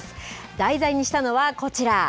題材にしたのは、こちら。